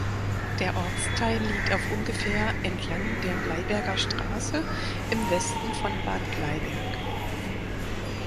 Der Ortsteil liegt auf ungefähr entlang der Bleiberger Straße im Westen von Bad Bleiberg.